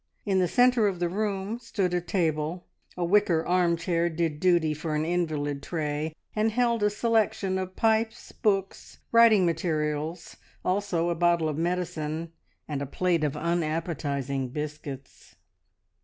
In the centre of the room stood a table. A wicker arm chair did duty for an invalid tray, and held a selection of pipes, books, and writing materials, also a bottle of medicine, and a plate of unappetising biscuits.